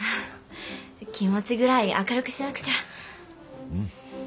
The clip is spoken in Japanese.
気持ちぐらい明るくしなくちゃ。